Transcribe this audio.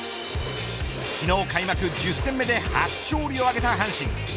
昨日開幕１０戦目で初勝利をあげた阪神。